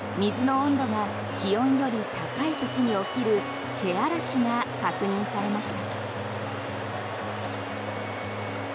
水の温度が気温より高い時に起こるけあらしが確認されました。